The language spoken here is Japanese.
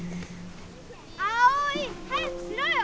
葵早くしろよ！